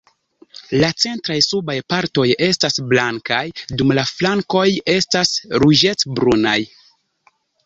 La centraj subaj partoj estas blankaj, dum la flankoj estas ruĝecbrunaj.